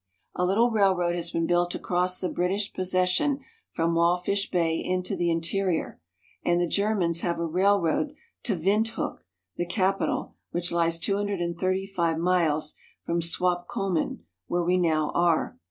A little railroad has been built across the British posses sion from Walfish Bay into the interior, and the Germans have a railroad to Windhoek (vint'hook), the capital, which lies two hundred and thirty five miles from Swakopmund, where we now are.